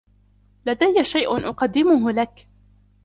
لدي شيء أقدمه لك.